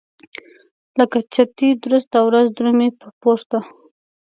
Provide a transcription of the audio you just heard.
لکه چتي درسته ورځ درومي په پورته.